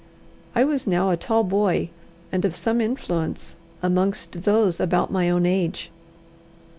I was now a tall boy, and of some influence amongst those about my own age.